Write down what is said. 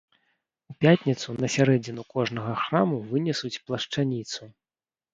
У пятніцу на сярэдзіну кожнага храму вынесуць плашчаніцу.